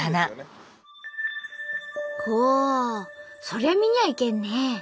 そりゃ見にゃいけんね。